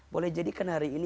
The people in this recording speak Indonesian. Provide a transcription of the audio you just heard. boleh jadikan hari ini